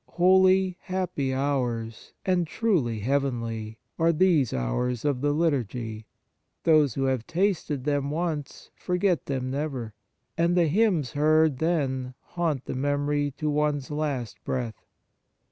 Holy, happy hours, and truly heavenly, are these hours of the liturgy ; those who have tasted them once forget them never ; and the hymns heard then haunt the memory to one s last breath.